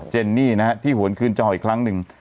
เนนี่นะฮะที่หวนคืนจออีกครั้งหนึ่ง